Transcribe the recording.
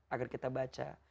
agar kita baca